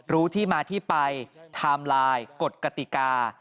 รู้ที่มาที่ไปไทม์ไลน์กฎกติกา